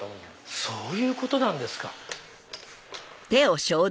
そういうことなんですか。